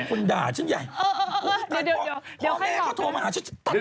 ผมขอบคุณมากนะครับที่โทรมาด่ามดดำแทน